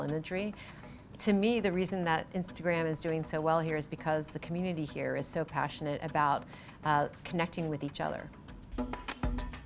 untuk saya alasan instagram ini berjalan dengan baik adalah karena komunitas di sini sangat bersemangat untuk berhubungan dengan satu sama lain